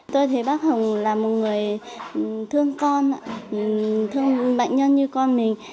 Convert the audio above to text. tôi thấy bác hồng là một người thương con thương bệnh nhân như con mình